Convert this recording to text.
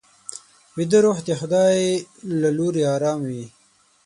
ویده روح د خدای له لوري ارام وي